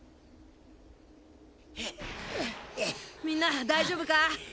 みんな大丈夫か？